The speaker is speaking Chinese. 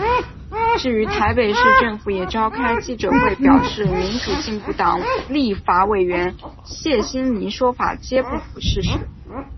至于台北市政府也召开记者会表示民主进步党立法委员谢欣霓说法皆不符事实。